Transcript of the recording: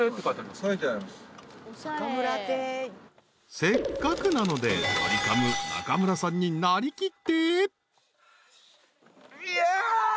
［せっかくなのでドリカム中村さんに成りきって］